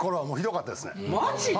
マジで？